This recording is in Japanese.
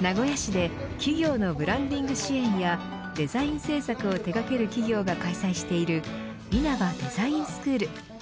名古屋市で企業のブランディング支援やデザイン制作を手掛ける企業が開催しているイナバデザインスクール。